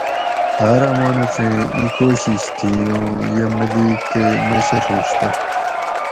ہاۤرہ مانوڛیں اِیں کوشش تھی اُوں یہ ملیک تے مشر ہوش تہ